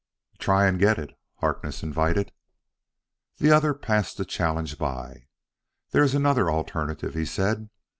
"Try and get it," Harkness invited. The other passed that challenge by. "There is another alternative," he said.